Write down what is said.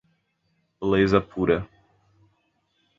Beleza pura.